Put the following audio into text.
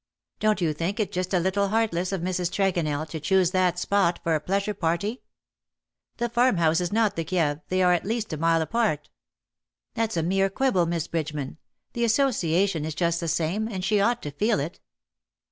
^^'' Don^t you think it just a little heartless of Mrs. Tregonell to choose that spot for a pleasure party V " The farmhouse is not the Kieve : they are at least a mile apart." " That^s a mere quibble. Miss Bridgeman : the association is just the same, and she ought to feel it."